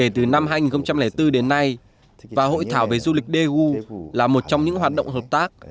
từ năm hai nghìn bốn đến nay và hội thảo về du lịch daegu là một trong những hoạt động hợp tác